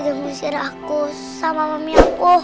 udah ngusir aku sama mami aku